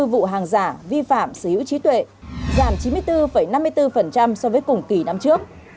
tám trăm bảy mươi bốn vụ hàng giả vi phạm xứ hữu trí tuệ giảm chín mươi bốn năm mươi bốn so với cùng kỳ năm trước